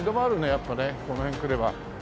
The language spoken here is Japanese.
やっぱねこの辺来れば。